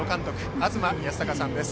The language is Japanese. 東賢孝さんです。